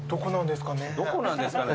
どこなんですかね？